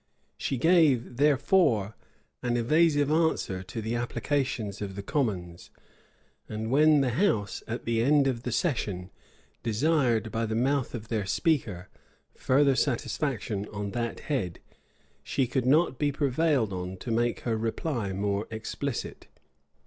She gave, therefore, an evasive answer to the applications of the commons; and when the house, at the end of the session, desired, by the mouth of their speaker, further satisfaction on that head, she could not be prevailed on to make her reply more explicit.